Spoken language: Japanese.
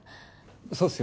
そうっすよ。